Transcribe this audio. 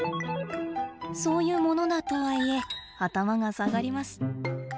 そういうものだとはいえ頭が下がります。